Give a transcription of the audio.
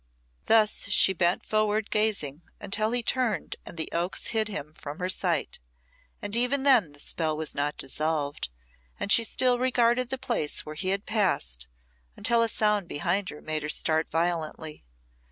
Thus she bent forward gazing, until he turned and the oaks hid him from her sight; and even then the spell was not dissolved, and she still regarded the place where he had passed, until a sound behind her made her start violently.